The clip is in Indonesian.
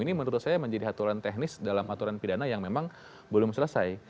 ini menurut saya menjadi aturan teknis dalam aturan pidana yang memang belum selesai